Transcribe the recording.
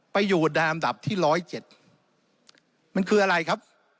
ไปอยู่ในอันดับที่ร้อยเจ็ดมันคืออะไรครับ